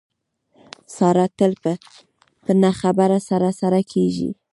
ساره تل په نه خبره سره سره کېږي.